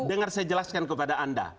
dengar saya jelaskan kepada anda